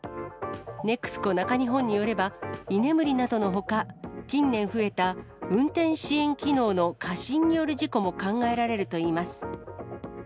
ＮＥＸＣＯ中日本によれば、居眠りなどのほか、近年増えた運転支援機能の過信による事故も考えられるといいます。